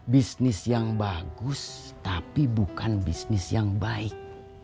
bisnis yang bagus tapi bukan bisnis yang baik